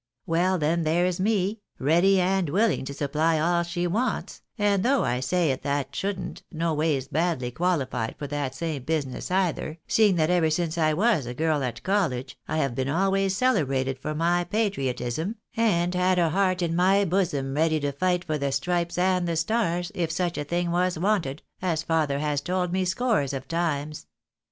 Well ! then there's me, ready and willing to supply all she wants, and though I Bay it that shouldn't, no ways badly qualified for that same business either, seeing that ever since I was a girl at college, I have been always celebrated for my patriotism, and had a heart in my bosom ready to fight for the stripes and the stars, if such a thing was wanted, as father has told me scores of times.